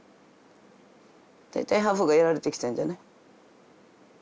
大体ハーフがやられてきたんじゃない？